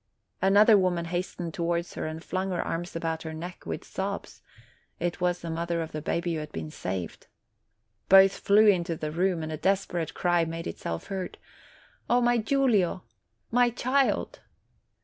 Another woman hastened towards her, and flung THE CALABRIAN BOY 7 her arms about her neck, with sobs : it was the mother of the baby who had been saved. Both flew into the room, and a desperate cry made itself heard : "Oh my Giulio ! My child